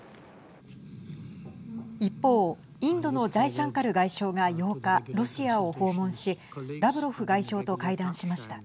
一方、インドのジャイシャンカル外相が８日ロシアを訪問しラブロフ外相と会談しました。